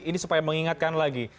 ini supaya mengingatkan lagi